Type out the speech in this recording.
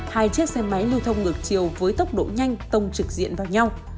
hai chiếc xe máy lưu thông ngược chiều với tốc độ nhanh tông trực diện vào nhau